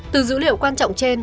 từ dữ liệu quan trọng trên